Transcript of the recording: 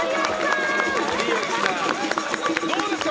どうですか？